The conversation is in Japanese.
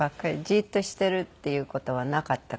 じっとしているっていう事はなかった。